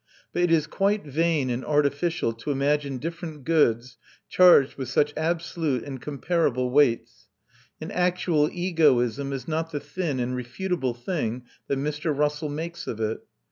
But it is quite vain and artificial to imagine different goods charged with such absolute and comparable weights; and actual egoism is not the thin and refutable thing that Mr. Russell makes of it.